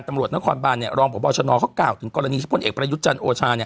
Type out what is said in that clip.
ตำรวจนักความบันเนี่ยรองพพชะนอนเขากล่าวถึงกรณีซิ่งผลเอกประยุทธ์จันทร์